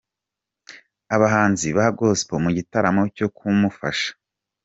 Abahanzi ba Gospel mu gitaramo cyo kumufasha.